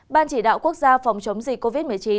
ban chỉ đạo quốc gia phòng chống dịch covid một mươi chín